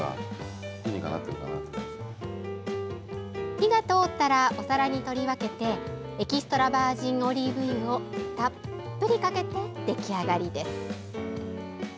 火が通ったらお皿に取り分けてエキストラバージンオリーブ油をたっぷりかけて出来上がりです。